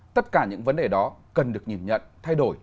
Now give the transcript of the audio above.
tất cả những vấn đề đó cần được nhìn nhận thay đổi